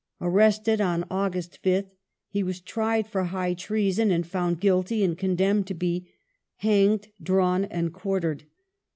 Arrested on August 5th he was tried for high treason and found guilty, and condemned to be " hanged, drawn, and quartered